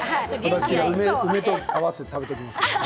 梅と合わせて食べておきます。